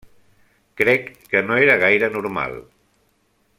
Crec que no era gaire normal.